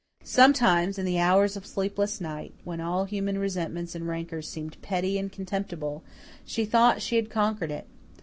Sometimes, in the hours of sleepless night, when all human resentments and rancours seemed petty and contemptible, she thought she had conquered it.